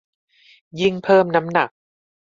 ยิ่งเพิ่มน้ำหนัก